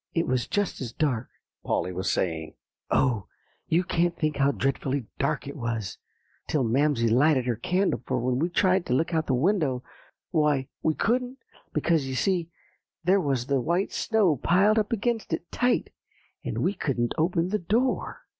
"It was just as dark," Polly was saying, "oh! you can't think how dreadfully dark it was, till Mamsie lighted her candle; for when we tried to look out of the window, why we couldn't, because, you see, there was the white snow piled up against it tight; and we couldn't open the door."